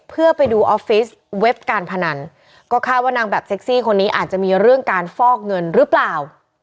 เพื่อไปดูออฟฟิศเว็บการพนันก็คาดว่านางแบบเซ็กซี่คนนี้อาจจะมีเรื่องการฟอกเงินหรือเปล่า